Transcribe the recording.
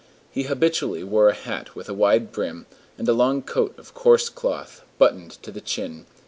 He habitually wore a hat with a wide brim, and a long coat of coarse cloth, buttoned to the chin.